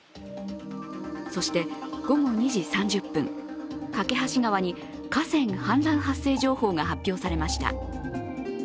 そして、午後２時３０分、梯川に河川氾濫発生情報が発表されました。